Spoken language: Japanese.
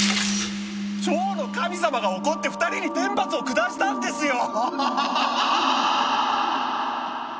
蝶の神様が怒って２人に天罰を下したんですよ！